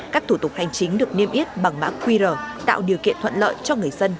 các thủ tục hành chính được niêm yết bằng mã qr tạo điều kiện thuận lợi cho người dân